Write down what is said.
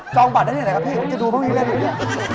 จองบัตรได้อย่างไรครับพี่จะดูพรุ่งนี้แหละหรือเปล่า